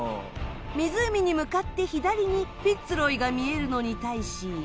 湖に向かって左にフィッツ・ロイが見えるのに対し。